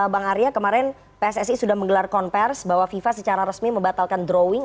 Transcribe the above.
bang arya kemarin pssi sudah menggelar konversi bahwa fifa secara resmi membatalkan drawing